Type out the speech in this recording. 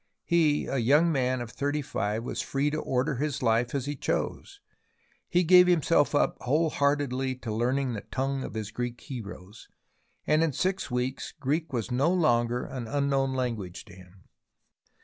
He, a young man of thirty five, was free to order his life as he chose. He gave himself up wholeheartedly to learning the tongue of his Greek heroes, and in six weeks Greek was no longer an unknown language to him.